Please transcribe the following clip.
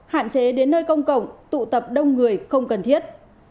hạn chế đến nơi công cộng tụ tập đông người không cần thiết